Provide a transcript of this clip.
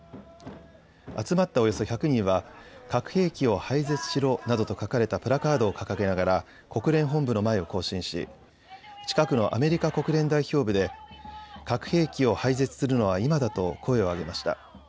集まったおよそ１００人は核兵器を廃絶しろなどと書かれたプラカードを掲げながら国連本部の前を行進し近くのアメリカ国連代表部で核兵器を廃絶するのは今だと声を上げました。